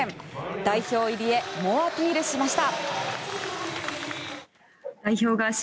代表入りへ猛アピールしました。